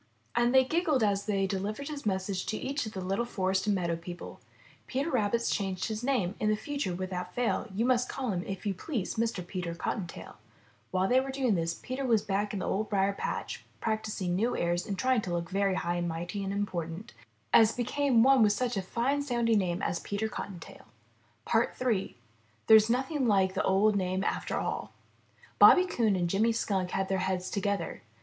And they giggled as they deHvered his message to each of the Httle forest and meadow people: n Peter Rabbit^s changed his name. In future without fail You must call him, if you please, Mr. Peter Cottontail/' While they were doing this, Peter was back in the Old Briar patch practicing new airs and trying to look very high and mighty and important, as became one with such a fine sounding name as Peter Cotton tail. III. THERE'S NOTHING LIKE THE OLD NAME AFTER ALL Bobby Coon and Jimmy Skunk had their heads together.